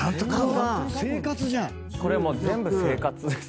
これもう全部生活ですね。